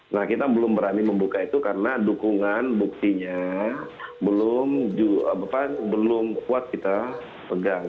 nah kita belum berani membuka itu karena dukungan buktinya belum kuat kita pegang